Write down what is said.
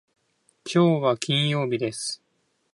きょうは金曜日です。